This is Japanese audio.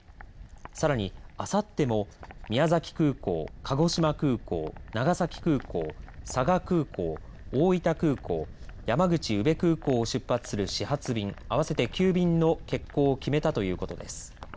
さらに、あさっても宮崎空港、鹿児島空港長崎空港、佐賀空港、大分空港山口宇部空港を出発する始発便合わせて９便の欠航を決めたということです。